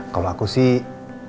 kalau aku sih